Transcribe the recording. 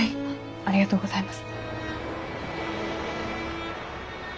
ありがとうございます。